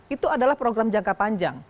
itu adalah program jangka panjang